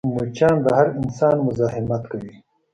مچان د هر انسان مزاحمت کوي